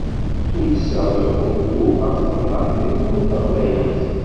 Tuddsa n uḥuddu ɣef twennaḍt di Tmurt Taqbaylit.